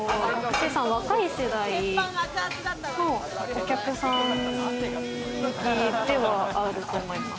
若い世代のお客さんが大半ではあると思います。